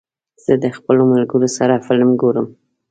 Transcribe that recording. زه د خپلو ملګرو سره فلم ګورم.